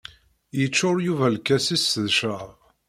Yeččur Yuba lkas-is d ccrab.